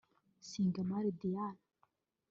Sigamary Diarra